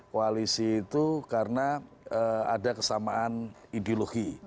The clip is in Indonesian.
koalisi itu karena ada kesamaan ideologi